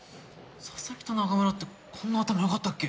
佐々木と中村ってこんな頭良かったっけ！？